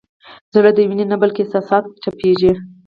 زړه د وینې نه بلکې احساساتو تپېږي.